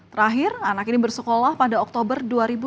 terakhir anak ini bersekolah pada oktober dua ribu dua puluh